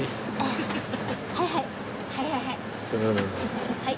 はいはい。